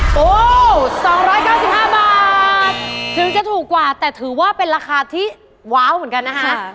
โอ้โห๒๙๕บาทถึงจะถูกกว่าแต่ถือว่าเป็นราคาที่ว้าวเหมือนกันนะคะ